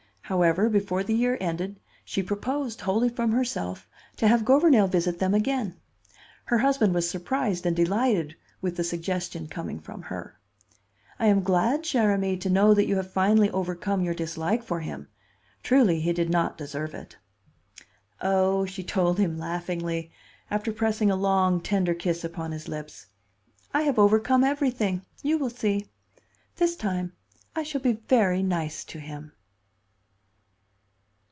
However, before the year ended, she proposed, wholly from herself, to have Gouvernail visit them again. Her husband was surprised and delighted with the suggestion coming from her. "I am glad, chère amie, to know that you have finally overcome your dislike for him; truly he did not deserve it." "Oh," she told him, laughingly, after pressing a long, tender kiss upon his lips, "I have overcome everything! you will see. This time I shall be very nice to him."